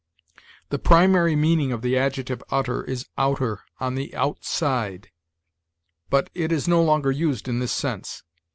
The primary meaning of the adjective utter is outer, on the outside; but it is no longer used in this sense.